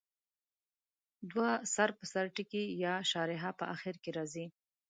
دوه سر په سر ټکي یا شارحه په اخر کې راځي.